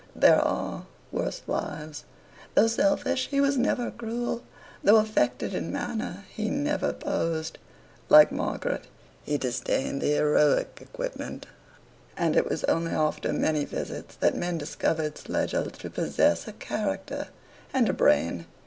There are worse lives. Though selfish, he was never cruel; though affected in manner, he never posed. Like Margaret, he disdained the heroic equipment, and it was only after many visits that men discovered Schlegel to possess a character and a brain.